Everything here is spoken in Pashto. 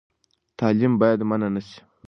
تعلیم باید منع نه سي.